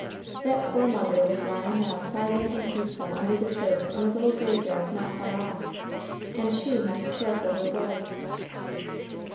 That poor mother was lying now silent and peaceful under the turf in the little graveyard not far off, and she must care for her boy.